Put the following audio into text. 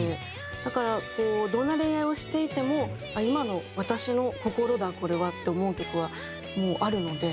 だからこうどんな恋愛をしていても「今の私の心だこれは」って思う曲はあるので。